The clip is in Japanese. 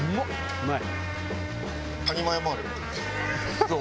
うまい！